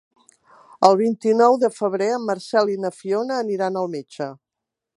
El vint-i-nou de febrer en Marcel i na Fiona aniran al metge.